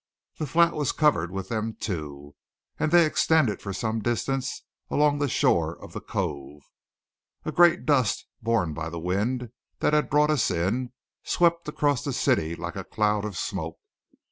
The flat was covered with them, too, and they extended for some distance along the shore of the cove. A great dust, borne by the wind that had brought us in, swept across the city like a cloud of smoke.